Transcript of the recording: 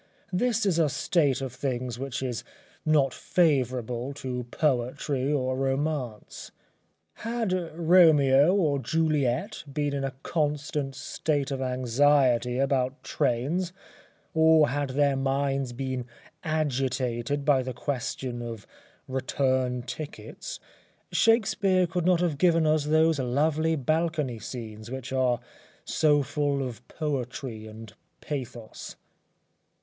This is a state of things which is not favourable to poetry or romance. Had Romeo or Juliet been in a constant state of anxiety about trains, or had their minds been agitated by the question of return tickets, Shakespeare could not have given us those lovely balcony scenes which are so full of poetry and pathos.